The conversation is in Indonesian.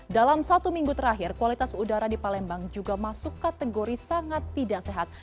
dalam satu minggu terakhir kualitas udara di palembang juga masuk kategori sangat tidak sehat